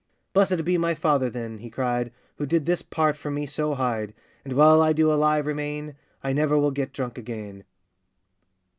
'Blessed be my father, then,' he cried, 'Who did this part for me so hide; And while I do alive remain, I never will get drunk again.